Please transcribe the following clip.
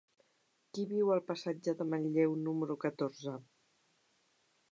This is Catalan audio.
Qui viu al passatge de Manlleu número catorze?